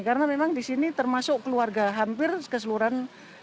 karena memang di sini termasuk keluarga hampir keseluruhan